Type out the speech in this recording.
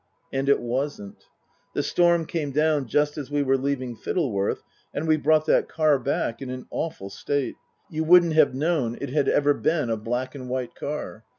And it wasn't. The storm came down just as we were leaving Fittle worth, and we brought that car back in an awful state. You wouldn't have known it had ever been a black and white car.